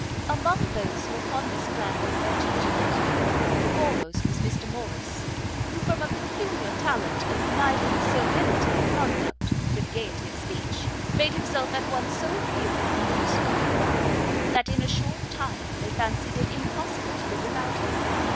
Among those who upon this plan were courted to it, the foremost was Mr Morrice, who, from a peculiar talent of uniting servility of conduct with gaiety of speech, made himself at once so agreeable and useful in the family, that in a short time they fancied it impossible to live without him.